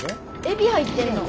エビ入ってんの？